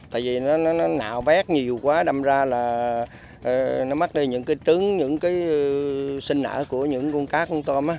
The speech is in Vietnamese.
tại vì nó ngạo vét nhiều quá đâm ra là nó mất đi những trứng những sinh nở của những con cá con tôm